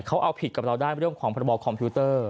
เขาเอาผิดกับเราได้เรื่องของพระบอคอมพิวเตอร์